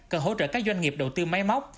cần hỗ trợ các doanh nghiệp đầu tư máy móc